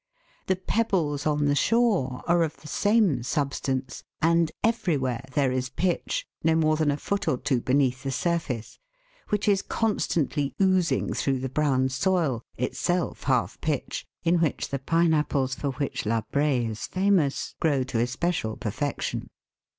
The " pebbles " on the shore are of the same substance, and everywhere there is pitch, no more than a foot or two beneath the surface, which is constantly oozing through the brown soil, itself half pitch, in which the pineapples for which La Brea is famous grow to especial perfection.